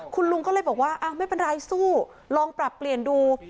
คุณลุงก็เลยบอกว่าไม่เป็นไรสู้ลองปรับเปลี่ยนดู